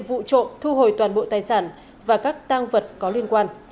vụ trộm thu hồi toàn bộ tài sản và các tăng vật có liên quan